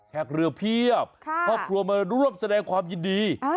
หากเรือเพียบครอบครัวมาร่วมแสดงความยินดี